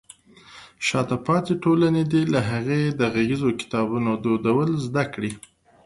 شاته پاتې ټولنې دې له هغې د غږیزو کتابونو دودول زده کړي.